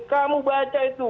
kamu baca itu